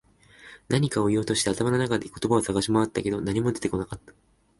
何かを言おうとして、頭の中で言葉を探し回ったけど、何も出てこなかった。